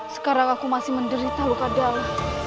sekarang aku masih menderita luka dalam